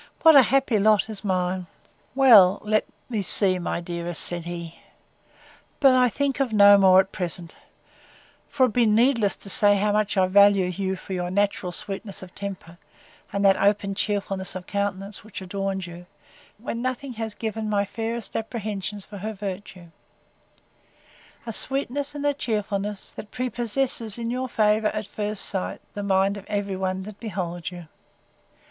—What a happy lot is mine! Why, let me see, my dearest, said he—But I think of no more at present: For it would be needless to say how much I value you for your natural sweetness of temper, and that open cheerfulness of countenance, which adorns you, when nothing has given my fairest apprehensions for her virtue: A sweetness, and a cheerfulness, that prepossesses in your favour, at first sight, the mind of every one that beholds you.